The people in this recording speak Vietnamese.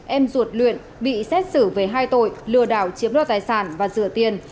em ruột luyện bị xét xử về hai tội lừa đảo chiếm đoạt tài sản và rửa tiền